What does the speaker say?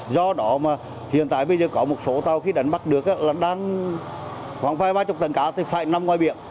do đó mà hiện tại bây giờ có một số tàu khi đánh bắt được là đang khoảng vài ba mươi tấn cá thì phải nằm ngoài biển